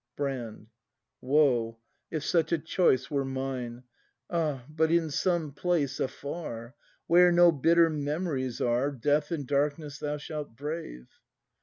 Brand. Woe, if such a choice were mine. Ah, but in some place afar. Where no bitter memories are, Death and darkness thou shalt brave!